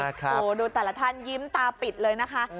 โอ้โหดูแต่ละท่านยิ้มตาปิดเลยนะคะ